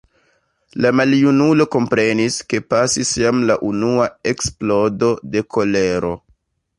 La maljunulo komprenis, ke pasis jam la unua eksplodo de kolero.